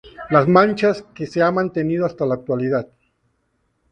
Las Manchas que se ha mantenido hasta la actualidad.